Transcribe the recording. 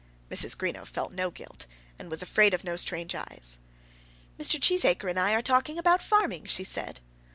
Mrs. Greenow felt no guilt, and was afraid of no strange eyes. "Mr. Cheesacre and I are talking about farming," she said.